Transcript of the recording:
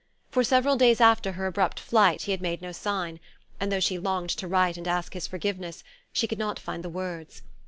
For several days after her abrupt flight he had made no sign; and though she longed to write and ask his forgiveness she could not find the words.